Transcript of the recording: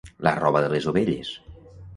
La roba de les ovelles.